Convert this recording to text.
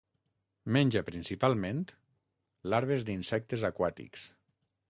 Menja principalment larves d'insectes aquàtics.